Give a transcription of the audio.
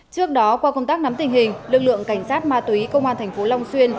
trước đó qua công tác nắm tình hình lực lượng cảnh sát ma túy công an thành phố long xuyên